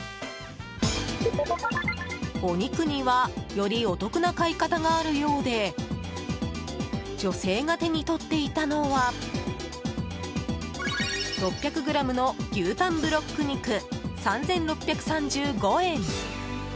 お肉にはよりお得な買い方があるようで女性が手に取っていたのは６００ｇの牛タンブロック肉３６３５円。